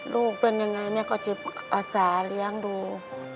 ลูกเป็นยังไงแม่ก็จะอาสาเลี้ยงดู